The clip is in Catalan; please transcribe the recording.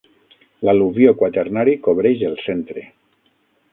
L'al·luvió quaternari cobreix el centre.